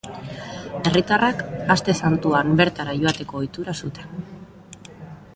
Herritarrak Aste Santuan bertara joateko ohitura zuten.